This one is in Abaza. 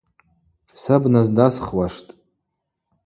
Са бназдасхуаштӏ.